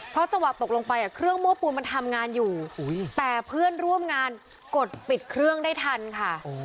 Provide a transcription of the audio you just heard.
เพราะจังหวะตกลงไปเครื่องโม้ปูนมันทำงานอยู่แต่เพื่อนร่วมงานกดปิดเครื่องได้ทันค่ะ